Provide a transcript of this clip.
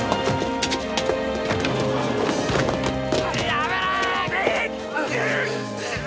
やめろ！